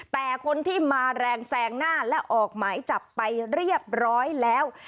แต่คนที่มาแรงแซงหน้าและออกหมายจับไปเรียบร้อยแล้ว